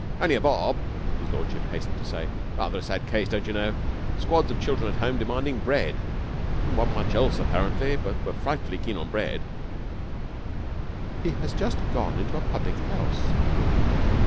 'Only a bob,' his lordship hastened to say. 'Rather a sad case, don't you know. Squads of children at home demanding bread. Didn't want much else, apparently, but were frightfully keen on bread.' 'He has just gone into a public house.'